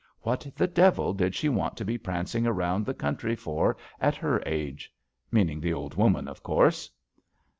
What the devil did she want to be prancing around the coun try for at her age ? Meaning the old woman, of course.